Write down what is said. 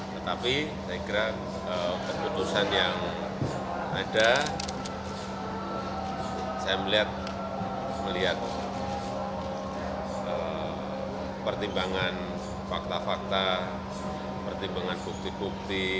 tetapi saya kira keputusan yang ada saya melihat pertimbangan fakta fakta pertimbangan bukti bukti